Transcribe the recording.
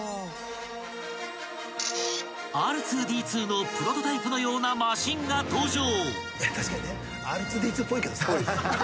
［Ｒ２−Ｄ２のプロトタイプのようなマシンが登場］